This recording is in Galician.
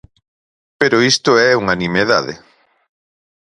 Pero isto é unha nimiedade.